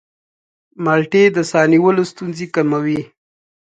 مالټې د ساه نیولو ستونزې کموي.